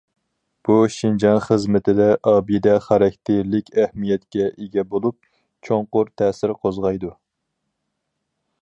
بۇ، شىنجاڭ خىزمىتىدە ئابىدە خاراكتېرلىك ئەھمىيەتكە ئىگە بولۇپ، چوڭقۇر تەسىر قوزغايدۇ.